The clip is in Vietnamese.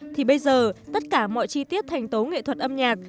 thì bây giờ tất cả mọi chi tiết thành tố nghệ thuật âm nhạc